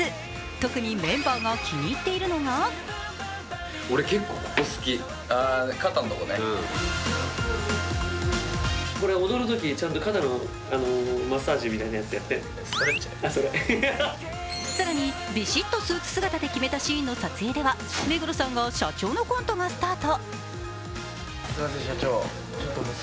特にメンバーが気に入っているのが更に、ビシッとスーツ姿で決めたシーンの撮影では、目黒さんが社長のコントがスタート。